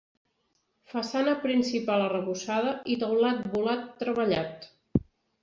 Façana principal arrebossada i teulat volat treballat.